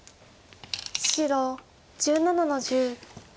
白１７の十。